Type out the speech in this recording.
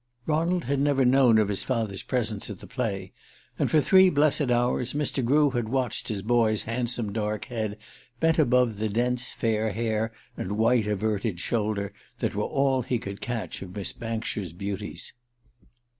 Ronald had never known of his father's presence at the play; and for three blessed hours Mr. Grew had watched his boy's handsome dark head bent above the dense fair hair and white averted shoulder that were all he could catch of Miss Bankshire's beauties.